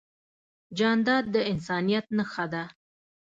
جانداد د انسانیت نښه ده.